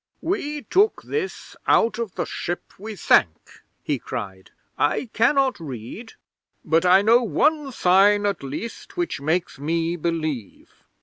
'"We took this out of the ship we sank," he cried. "I cannot read, but I know one sign, at least, which makes me believe."